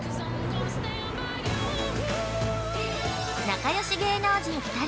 ◆仲良し芸能人